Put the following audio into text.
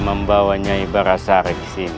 membawanya ibarasari disini